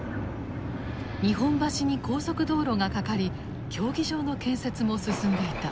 日本橋に高速道路がかかり競技場の建設も進んでいた。